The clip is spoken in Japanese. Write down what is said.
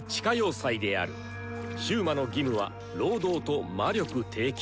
囚魔の義務は労働と魔力提供。